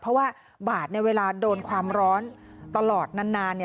เพราะว่าบาดเวลาโดนความร้อนตลอดนาน